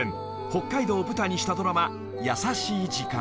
［北海道を舞台にしたドラマ『優しい時間』］